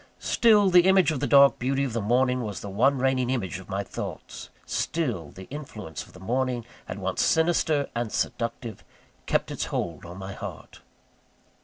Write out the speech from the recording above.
Still, the image of the dark beauty of the morning was the one reigning image of my thoughts still, the influence of the morning, at once sinister and seductive, kept its hold on my heart.